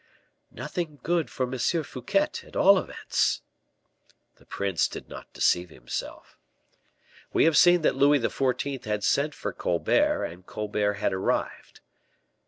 "Nothing good for M. Fouquet, at all events." The prince did not deceive himself. We have seen that Louis XIV. had sent for Colbert, and Colbert had arrived.